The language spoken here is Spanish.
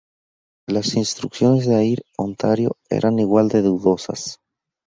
Las instrucciones de Air Ontario eran igual de dudosas.